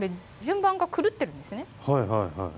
はいはいはい。